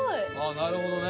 なるほどね。